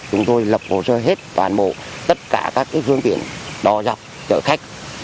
chúng tôi lập hồ sơ hết toàn bộ tất cả các cái phương tiện đòi dọc cho khách